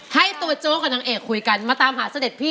ให้ตัวโจ๊กกับนางเอกคุยกันมาตามหาเสด็จพี่